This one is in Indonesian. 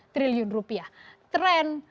triliun rupiah trend